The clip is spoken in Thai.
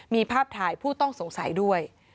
มีภาพถ่ายผู้ต้องสงสัยด้วย